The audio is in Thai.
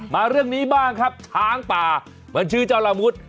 มาเรื่องนี้บ้างครับช้างป่าเหมือนชื่อเจ้าละมุด